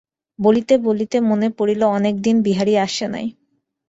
বলিতে বলিতে মনে পড়িল, অনেক দিন বিহারী আসে নাই।